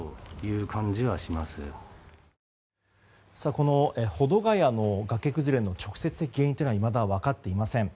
この保土ケ谷の崖崩れの直接的原因というのはいまだ分かっていません。